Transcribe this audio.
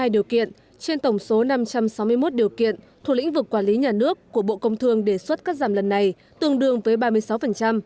hai trăm linh hai điều kiện trên tổng số năm trăm sáu mươi một điều kiện thuộc lĩnh vực quản lý nhà nước của bộ công thương đề xuất cắt giảm lần này tương đương với ba mươi sáu